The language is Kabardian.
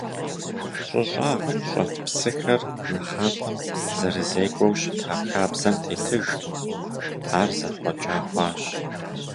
Щӏы щӏагъым щӏэт псыхэр нэхъапэм зэрызекӏуэу щыта хабзэм тетыжкъым, ар зэхъуэкӏа хъуащ.